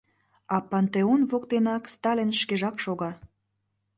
А пантеон воктенак Сталин шкежак шога.